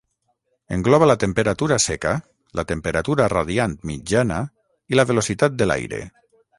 Engloba la temperatura seca, la temperatura radiant mitjana i la velocitat de l'aire.